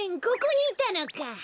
ここにいたのか。